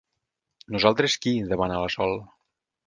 Nosaltres, qui? —demana la Sol.